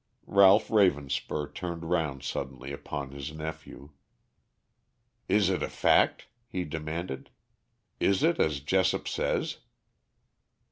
Ralph Ravenspur turned round suddenly upon his nephew. "Is it a fact?" he demanded. "Is it as Jessop says?"